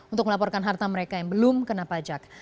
untuk melaporkan harta mereka yang belum kena pajak